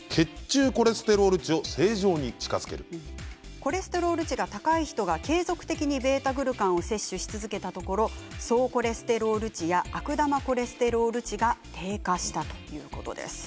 コレステロール値が高い人が継続的にβ−グルカンを摂取し続けたところ総コレステロール値や悪玉コレステロール値が低下したということです。